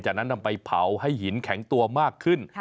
จากนั้นนำไปเผาให้หินแข็งตัวมากขึ้น